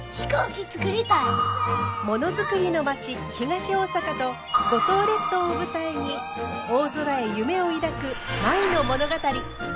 ものづくりの町東大阪と五島列島を舞台に大空へ夢を抱く舞の物語。